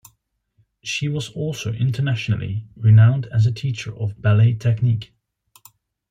She was also internationally renowned as a teacher of ballet technique.